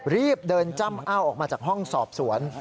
รีบเดินจ้ำอ้าวออกมาจากห้องสอบสวน